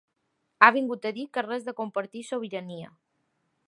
Ha vingut a dir que res de compartir sobirania.